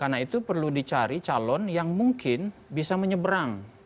karena itu perlu dicari calon yang mungkin bisa menyeberang